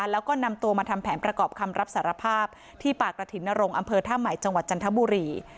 แล้วก็นำตัวมาทำแผนประกอบคำรับสารภาพที่ป่ากระถิ่นนรงค์อำเภอท่าใหม่จังหวัดจันทบุรี